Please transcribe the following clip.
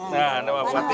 nah pak bupati